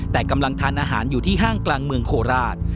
แต่กำลังทานอาหารอยู่ที่ห้างกลางเมืองโคราช